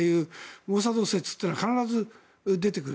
モサド説というのが必ず出てくる。